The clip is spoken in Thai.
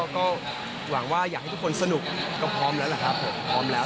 ก็หวังว่าอยากให้ทุกคนสนุกก็พร้อมแล้วล่ะครับผมพร้อมแล้ว